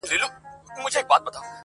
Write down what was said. چي قاضي څه کوي زه ډېر په شرمېږم.